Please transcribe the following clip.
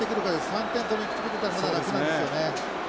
３点取りにきてくれたらまだ楽なんですよね。